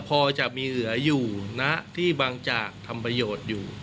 พอจะมีเหลืออยู่นะที่บางจากทำประโยชน์อยู่